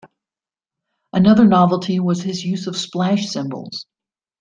Another novelty was his use of splash cymbals.